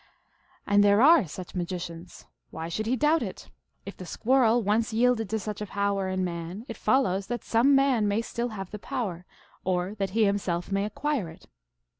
And there are such magicians. Why should he doubt it ? If the squirrel once yielded to such a power in man, it follows that some man may still have the power, or that he himself may acquire it.